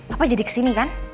papa jadi kesini kan